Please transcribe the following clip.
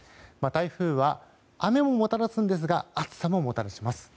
台風は、雨をもたらすんですが暑さももたらします。